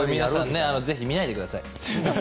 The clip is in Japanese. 皆さん見ないでください。